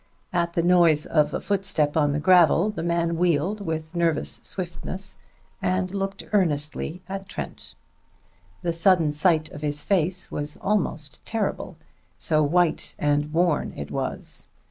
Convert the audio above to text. At the noise of a footstep on the gravel, the man wheeled with nervous swiftness and looked earnestly at Trent. The sudden sight of his face was almost terrible, so white and worn it was.